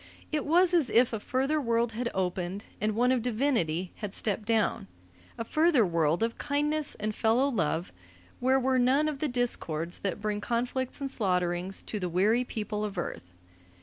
It was if a further world had opened, and one of divinity had stepped down; a further world of kindness and fellow love, where were none of the discords that bring conflicts and slaughterings to the weary people of Earth.